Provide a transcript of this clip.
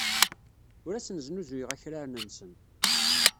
Ur asen-snuzuyeɣ akraren-nsen.